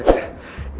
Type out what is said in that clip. lu liat ya